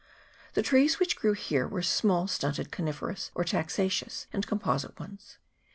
The trees which grew here were small stunted coniferous or taxaceous and composite ones.